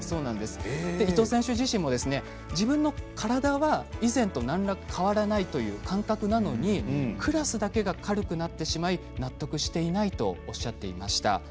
伊藤選手自身も自分の体は以前となんら変わらないという感覚なのにクラスだけが軽くなってしまい納得していないとおっしゃっていました。